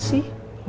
udah di diemin sih